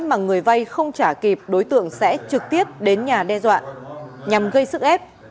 mà người vay không trả kịp đối tượng sẽ trực tiếp đến nhà đe dọa nhằm gây sức ép